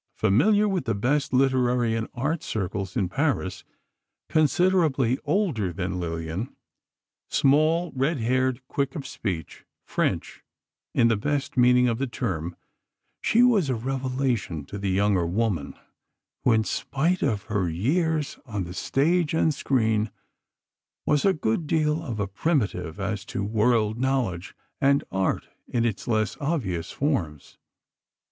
Familiar with the best literary and art circles of Paris, considerably older than Lillian, small, red haired, quick of speech—French, in the best meaning of the term—she was a revelation to the younger woman, who in spite of her years on the stage and screen, was a good deal of a primitive as to world knowledge, and art in its less obvious forms.